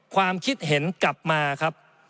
ความคิดเห็นกลับมาครับ